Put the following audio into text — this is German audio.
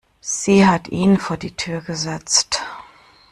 Sie hat ihn vor die Tür gesetzt.